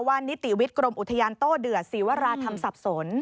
นิติวิทย์กรมอุทยานโต้เดือดศรีวราธรรมสับสน